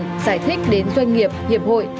giải thích đến doanh nghiệp hiệp hội